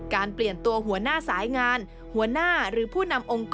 เปลี่ยนตัวหัวหน้าสายงานหัวหน้าหรือผู้นำองค์กร